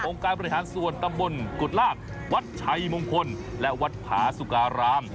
องค์การประหลาดส่วนกำบลกุฎราชวัดชัยมงคลและวัดพระศุกราราม